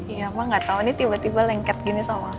iya pak nggak tahu ini tiba tiba lengket gini sama